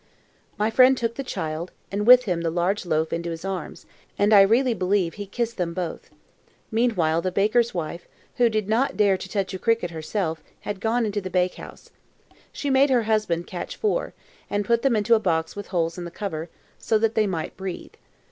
My friend took the child, and with him the large loaf, into his arms, and I really believe he kissed them both. Meanwhile the baker's wife, who did not dare to touch a cricket herself, had gone into the bake house. She made her husband catch four, and put them into a box with holes in the cover, so that they might breathe.